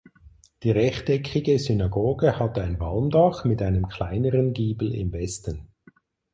Die rechteckige Synagoge hatte ein Walmdach mit einem kleineren Giebel im Westen.